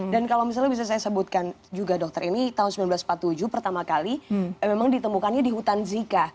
dan kalau misalnya bisa saya sebutkan juga dokter ini tahun seribu sembilan ratus empat puluh tujuh pertama kali memang ditemukannya di hutan zika